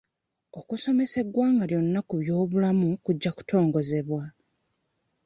Okusomesa eggwanga lyonna ku by'obulamu kujja kutongozebwa